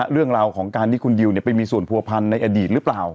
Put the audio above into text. เรื่องราวของการที่คุณดิวไปมีส่วนผัวพันธ์ในอดีตหรือเปล่า